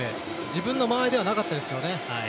自分の間合いではなかったですからね。